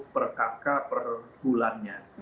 per kakak per bulannya